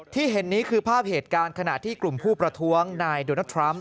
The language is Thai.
เห็นนี้คือภาพเหตุการณ์ขณะที่กลุ่มผู้ประท้วงนายโดนัลดทรัมป